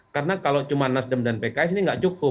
karena kalau cuma nasdem dan pks ini nggak cukup